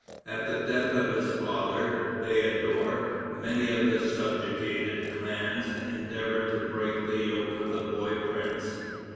At the death of his father, Bayadour, many of the subjugated clans endeavored to break the yoke of the boy prince.